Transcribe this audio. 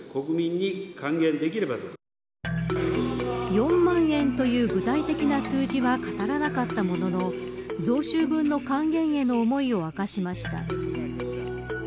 ４万円という具体的な数字は語らなかったものの増収分の還元への思いを明かしました。